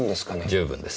十分です。